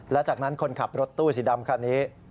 และจากนั้นคนขับรถตู้สีดำคันนี้